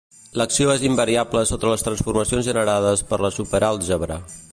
L'acció és invariable sota les transformacions generades per la superàlgebra.